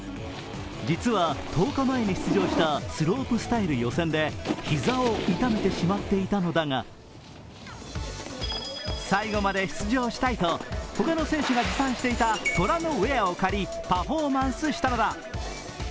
実は１０日前に出場したスロープスタイル予選で膝を痛めてしまっていたのだが最後まで出場したいと他の選手が持参していた虎のウエアを借りパフォーマンスしたのだ。